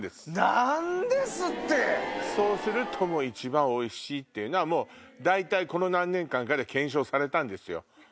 何ですって⁉そうすると一番おいしいっていうのは大体この何年間かで検証されたんですよ。